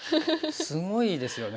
すごいですよね。